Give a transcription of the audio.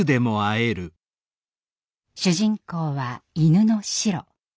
主人公は犬のシロ。